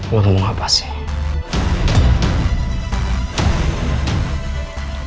lo tunggu apa sih